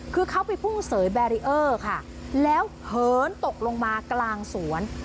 คือเขาไปพุ่งเสยแบรีเออร์ค่ะแล้วเหินตกลงมากลางสวน